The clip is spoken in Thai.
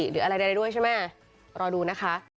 หรืออะไรใดด้วยใช่ไหมรอดูนะคะ